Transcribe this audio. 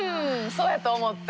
そうやと思った。